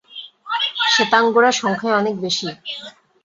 শেতাঙ্গরা সংখ্যায় অনেক বেশী।